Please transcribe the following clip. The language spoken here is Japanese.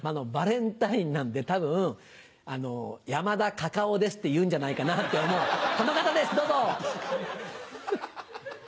バレンタインなんで多分「山田カカオです」って言うんじゃないかなって思うこの方ですどうぞ！